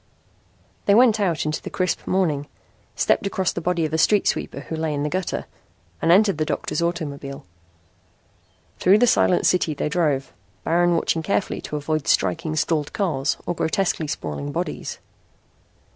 They went out into the crisp morning, stepped across the body of a street sweeper who lay in the gutter, and entered the doctor's automobile. Through the silent city they drove, Baron watching carefully to avoid striking stalled cars or grotesquely sprawling bodies.